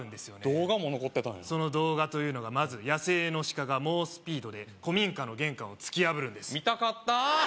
動画も残ってたんやその動画というのがまず野生のシカが猛スピードで古民家の玄関を突き破るんです見たかったー！